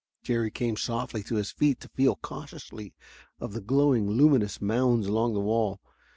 Jerry came softly to his feet to feel cautiously of the glowing, luminous mounds along the wall.